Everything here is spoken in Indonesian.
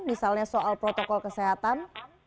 misalnya soal protokol kesehatan